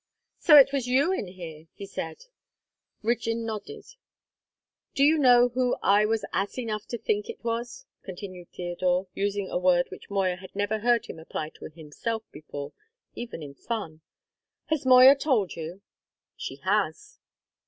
"So it was you in here," he said. Rigden nodded. "Do you know who I was ass enough to think it was?" continued Theodore, using a word which Moya had never heard him apply to himself before, even in fun. "Has Moya told you?" "She has."